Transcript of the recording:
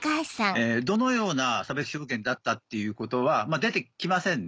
どのような差別表現だったっていうことは出て来ませんね。